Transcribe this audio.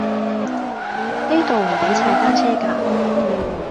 呢度唔比踩單車架